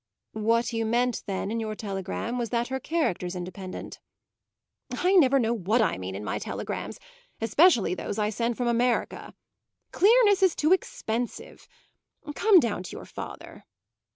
"What you meant then, in your telegram, was that her character's independent." "I never know what I mean in my telegrams especially those I send from America. Clearness is too expensive. Come down to your father."